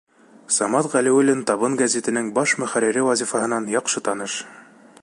Самат Ғәлиуллин «Табын» гәзитенең баш мөхәррире вазифаһынан яҡшы таныш.